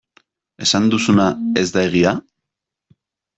Esan duzuna ez da egia?